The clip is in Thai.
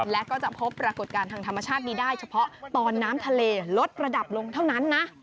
และก็จะพบปรากฏการณ์ทางธรรมชาตินี้ได้เฉพาะตอนน้ำทะเลลดระดับลงเท่านั้นนะ